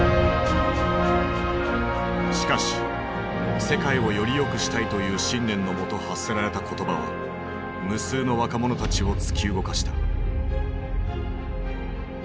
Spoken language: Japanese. しかし「世界をよりよくしたい」という信念のもと発せられた言葉は無数の若者たちを突き動かした。